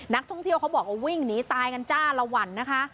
นักท่องเที่ยวเขาบอกว่าวิ่งหนีตายกันจ้าระวัญนะคะ